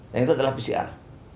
dan itu adalah pcr